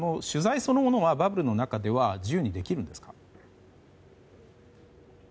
取材そのものはバブルの中では自由にできるんですか？